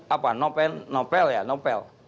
apa nopel ya nopel